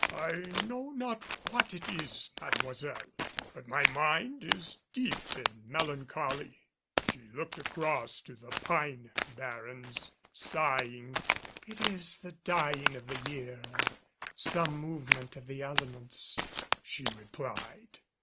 "I know not what it is, Mademoiselle, but my mind is deep in melancholy." She looked across to the pine barrens, sighing. "It is the dying of the year or some movement of the elements," she replied.